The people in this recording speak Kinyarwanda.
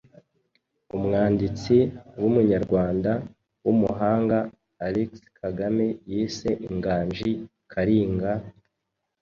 umwanditsi w'umunyarwanda w'umuhanga Alex Kagame yise inganji karinga,